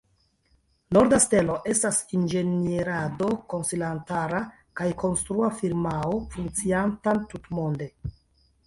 Norda Stelo estas inĝenierado-konsilantara kaj konstrua firmao funkcianta tutmonde.